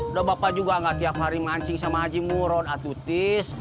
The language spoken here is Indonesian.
udah bapak juga enggak tiap hari mancing sama haji muron atuh tis